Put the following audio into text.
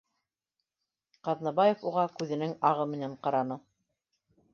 Ҡ аҙнабаев уға күҙенең ағы менән ҡараны